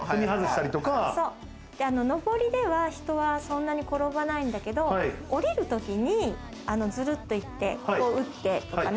上りでは人はそんなに転ばないんだけど、降りるときに、ズルッといって、打ってとか。